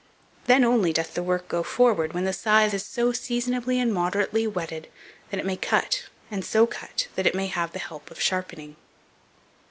Then only doth the work go forward, when the scythe is so seasonably and moderately whetted that it may cut, and so cut, that it may have the help of sharpening."